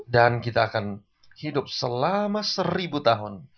dan kita akan hidup selama seribu tahun